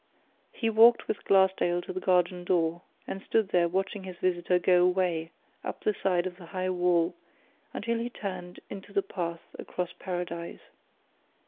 He walked with Glassdale to the garden door, and stood there watching his visitor go away up the side of the high wall until he turned into the path across Paradise.